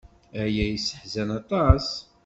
Aya ad yesseḥzen aṭas.